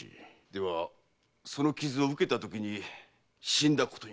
ではその傷を受けたときに死んだことになり。